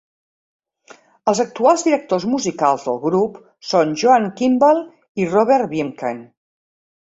Els actuals directors musicals del grup són Joan Kimball i Robert Wiemken.